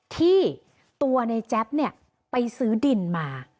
ที่ตัวในแจ๊บเนี่ยไปซื้อดินมา